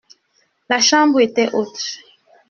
La chambre était haute.